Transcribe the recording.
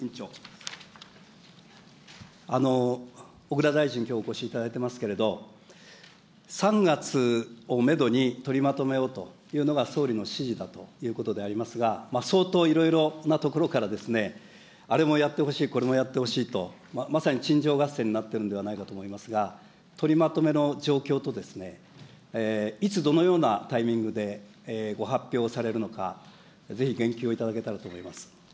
小倉大臣、きょう、お越しいただいておりますけれども、３月をメドに取りまとめをというのが、総理の指示だということでありますが、相当いろいろなところからですね、あれもやってほしい、これもやってほしいと、まさに陳情合戦になっているんではないかと思いますが、取りまとめの状況といつ、どのようなタイミングで、ご発表されるのか、ぜひ言及をいただけたらと思います。